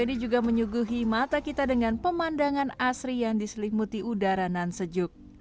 ini juga menyuguhi mata kita dengan pemandangan asri yang diselimuti udara nan sejuk